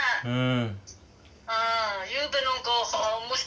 うん。